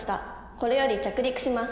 これより着陸します」。